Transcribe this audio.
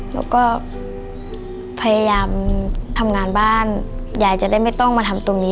แล้วก็พยายามทำงานบ้านยายจะได้ไม่ต้องมาทำตรงนี้